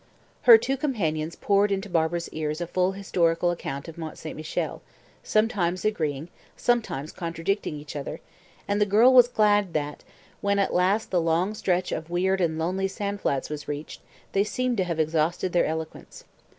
Her two companions poured into Barbara's ears a full historical account of Mont St. Michel, sometimes agreeing, sometimes contradicting each other, and the girl was glad that, when at last the long stretch of weird and lonely sandflats was reached, they seemed to have exhausted their eloquence.